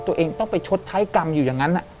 ตัวเองต้องไปชดใช้กรรมอยู่อย่างนั้น